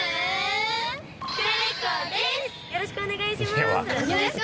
よろしくお願いします。